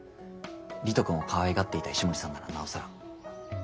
理人くんをかわいがっていた石森さんならなおさら。